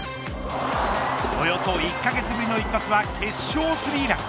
およそ１カ月ぶりの一発は決勝スリーラン。